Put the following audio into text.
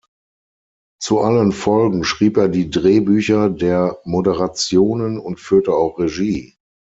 Zu allen Folgen schrieb er die Drehbücher der Moderationen und führte auch Regie.